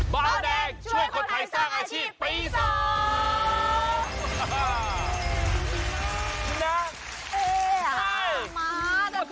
เบาแดงช่วยคนไทยสร้างอาชีพปี๒